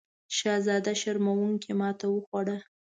شهزاده شرموونکې ماته وخوړه.